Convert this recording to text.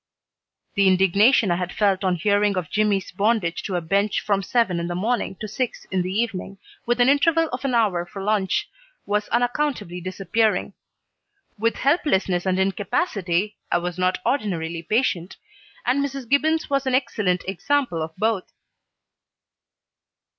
The indignation I had felt on hearing of Jimmy's bondage to a bench from seven in the morning to six in the evening, with an interval of an hour for lunch, was unaccountably disappearing. With helplessness and incapacity I was not ordinarily patient, and Mrs. Gibbons was an excellent example of both.